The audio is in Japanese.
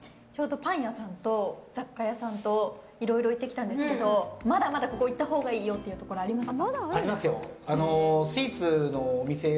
パン屋さんと雑貨屋さんといろいろ行ってきたんですけどまだまだここ行ったほうがいいよってところありますか。